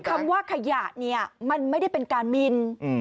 คำว่าขยะเนี่ยมันไม่ได้เป็นการมิน